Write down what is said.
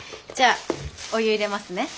じゃあお湯入れますね。